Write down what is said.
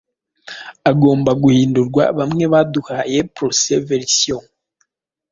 agomba guhindurwa Bamwe baduhaye prose verisiyo